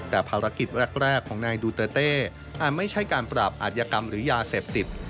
แต่ภารกิจแรกของนายดูเตอร์เต้อาจไม่ใช่การปราบอาธิกรรมหรือยาเสพติด